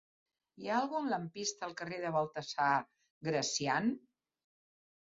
Hi ha algun lampista al carrer de Baltasar Gracián?